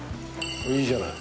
いいじゃない。